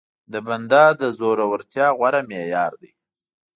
د بنده د زورورتيا غوره معيار دی.